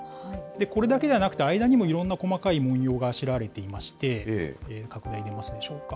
これだけじゃなくて、間にもいろんな細かい文様があしらわれていまして、拡大できますでしょうか。